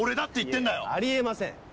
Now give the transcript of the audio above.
あり得ません。